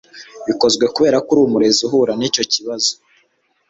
bikozwe kubera ko uri umurezi uhura n'icyo kibazo